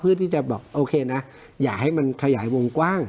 เพื่อที่จะบอกโอเคนะอย่าให้มันขยายวงกว้าง